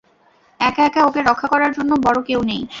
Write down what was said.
একা একা, ওকে রক্ষা করার জন্য বড় কেউ নেই।